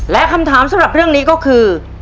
และคำถามสำหรับเรื่องนี้ก็คือ